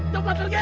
cepat pergi hadi